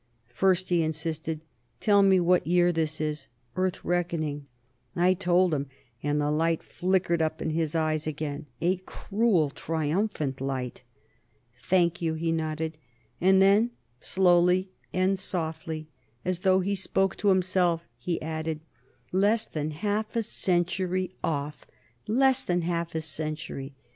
"First," he insisted, "tell me what year this is, Earth reckoning." I told him, and the light flickered up in his eyes again a cruel, triumphant light. "Thank you," he nodded; and then, slowly and softly, as though he spoke to himself, he added, "Less than half a century off. Less than a half a century!